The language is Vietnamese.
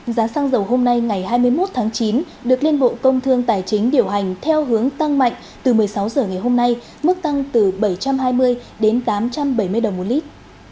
giá xăng dầu hôm nay ngày hai mươi một tháng chín được liên bộ công thương tài chính điều hành theo hướng tăng mạnh từ một mươi sáu h ngày hôm nay mức tăng từ bảy trăm hai mươi đến tám trăm bảy mươi đồng một lít